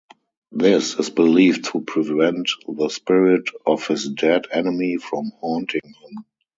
This is believed to prevent the spirit of his dead enemy from haunting him.